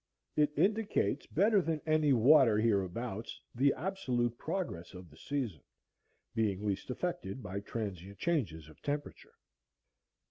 It indicates better than any water hereabouts the absolute progress of the season, being least affected by transient changes of temperature.